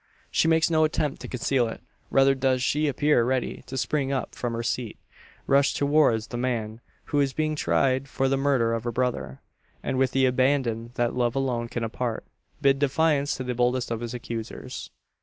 She makes no attempt to conceal it. Rather does she appear ready to spring up from her seat, rush towards the man who is being tried for the murder of her brother, and with the abandon that love alone can impart, bid defiance to the boldest of his accusers!